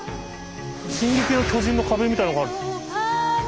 「進撃の巨人」の壁みたいなのがある。